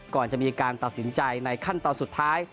ก่อนจะมีการตัดสินใจในขั้นตอนสุดท้าย